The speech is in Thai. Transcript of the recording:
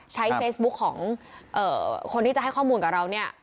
ใช้เฟซบุ๊คของคนที่จะให้ข้อมูลกับเราเนี่ย